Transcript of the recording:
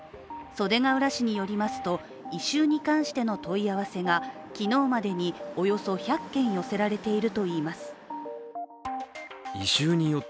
袖ケ浦市によりますと、異臭に関しての問い合わせが昨日までにおよそ１００件寄せられているといいます。